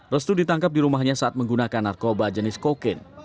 restu ditangkap di rumahnya saat menggunakan narkoba jenis kokain